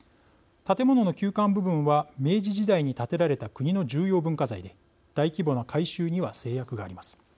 建物の旧館部分は明治時代に建てられた国の重要文化財で大規模な改修には制約があります。